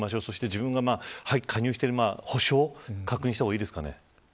自分の加入している補償を確認した方がいいですかね。